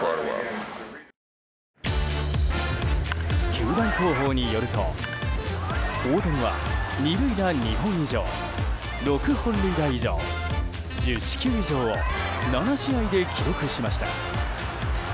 球団広報によると大谷は、２塁打２本以上６本塁打以上、１０四球以上を７試合で記録しました。